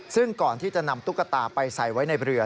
ซึ่งก่อนที่จะนำตุ๊กตาไปใส่ไว้ในเรือ